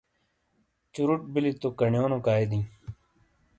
چُرُوٹ بِیلی تو کَنیونو کائی دئیں۔